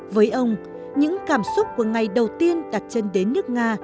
với ông những cảm xúc của ngày đầu tiên đặt chân đến nước nga